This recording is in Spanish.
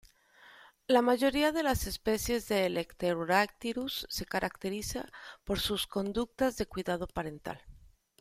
La mayoría de las especies de "Eleutherodactylus" se caracterizan por conductas de cuidado parental.